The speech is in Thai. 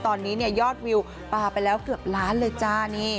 ตอนนี้เนี่ยยอดวิวปลาไปแล้วเกือบล้านเลยจ้านี่